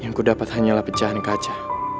yang ku dapat hanyalah pecahan kaca